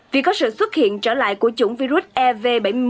vì có sự xuất hiện trở lại của chủng virus ev bảy mươi